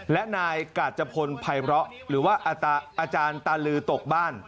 และนายกาจพลภัยเพราะหรือว่าอาจารย์ตาลือตกบ้าน